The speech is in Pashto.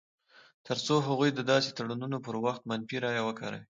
تر څو هغوی د داسې تړونونو پر وخت منفي رایه وکاروي.